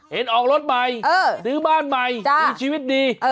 ออกรถใหม่ซื้อบ้านใหม่มีชีวิตดี